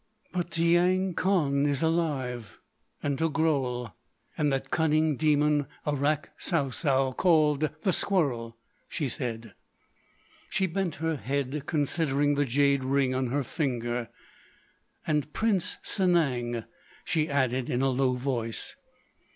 "But Tiyang Khan is alive, and Togrul, and that cunning demon Arrak Sou Sou, called The Squirrel," she said. She bent her head, considering the jade ring on her finger. "—And Prince Sanang," she added in a low voice.